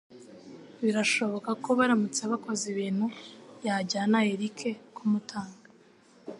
Birashoboka ko baramutse bakoze ibintu, yajyana Eric kumutanga.